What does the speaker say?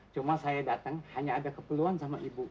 cuma saya datang hanya ada keperluan sama ibu